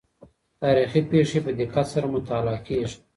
تاریخي پېښې په دقت سره مطالعه کیږي.